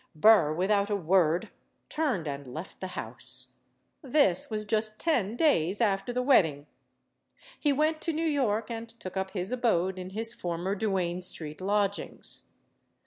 Burr, without a word, turned and left the house. This was just ten days after the wedding. He went to New York and took up his abode in his former Duane Street lodgings.